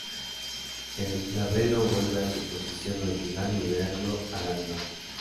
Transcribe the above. El labelo vuelve a su posición original liberando al animal.